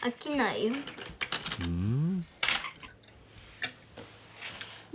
うん。